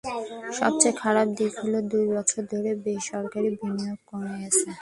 সবচেয়ে খারাপ দিক হলো, দুই বছর ধরে বেসরকারি বিনিয়োগ কমে গেছে।